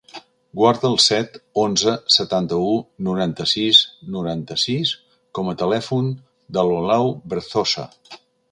Guarda el set, onze, setanta-u, noranta-sis, noranta-sis com a telèfon de l'Olau Berzosa.